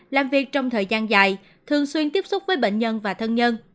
làm việc trong thời gian dài thường xuyên tiếp xúc với bệnh nhân và thân nhân